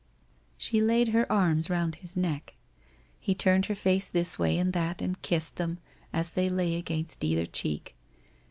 She laid her arms round his neck. He turned his face this way and that and kissed them, as they lay against either cheek.